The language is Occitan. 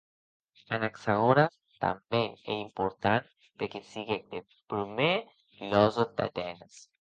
Anaxagores tanben ei important perque siguec eth prumèr filosòf d'Atenes.